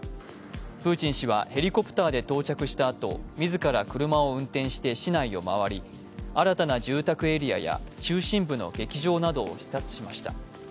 プーチン氏はヘリコプターで到着したあと自ら車を運転して市内を回り新たな住宅エリアや中心部の劇場などを視察しました。